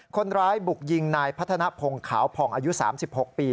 คนร้ายบุกยิงนายพัฒนภงขาวผ่องอายุ๓๖ปี